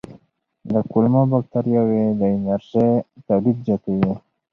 د کولمو بکتریاوې د انرژۍ تولید زیاتوي.